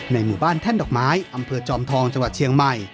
หมู่บ้านแท่นดอกไม้อำเภอจอมทองจังหวัดเชียงใหม่